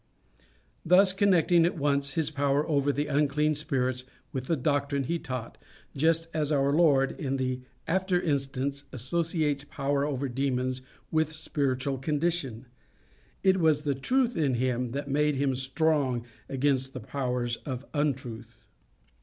] thus connecting at once his power over the unclean spirits with the doctrine he taught, just as our Lord in an after instance associates power over demons with spiritual condition. It was the truth in him that made him strong against the powers of untruth.